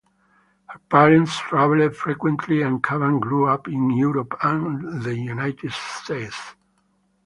Her parents travelled frequently and Kavan grew up in Europe and the United States.